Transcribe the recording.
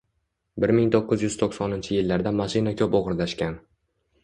Bir ming to'qqiz yuz to'qsoninchi yillarda mashina ko'p o‘g‘irlashgan